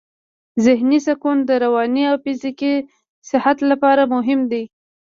ذهني سکون د رواني او فزیکي صحت لپاره مهم دی.